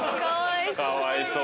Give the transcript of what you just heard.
かわいそう。